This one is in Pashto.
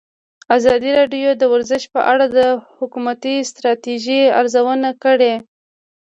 ازادي راډیو د ورزش په اړه د حکومتي ستراتیژۍ ارزونه کړې.